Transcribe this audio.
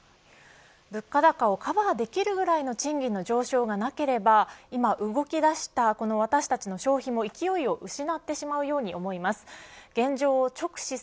物価高をカバーできるぐらいの賃金の上昇がなければ今動き出した私たちの消費も勢いを失ってしまうように思います。